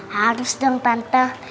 harus dong tante